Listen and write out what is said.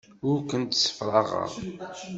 Ur kent-ssefraɣeɣ.